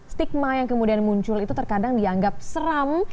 stigma yang kemudian muncul itu terkadang dianggap seram